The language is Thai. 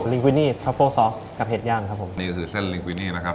ลิงกุินนี่ทัฟเฟิลซอสกับเห็ดย่างครับผมนี่คือเส้นลิงกุินนี่นะครับ